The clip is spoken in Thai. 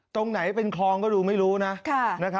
ตรงไหนเป็นคลองก็ดูไม่รู้นะ